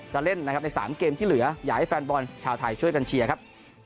เล่นนะครับใน๓เกมที่เหลืออยากให้แฟนบอลชาวไทยช่วยกันเชียร์ครับ